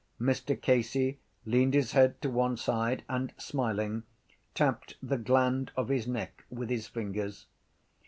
Mr Casey leaned his head to one side and, smiling, tapped the gland of his neck with his fingers.